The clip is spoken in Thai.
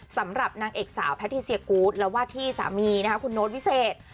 สำหรับนางเอกสาวแพทิเซียกูธและวาดที่สามีนะคะคุณโน้ตวิเศษ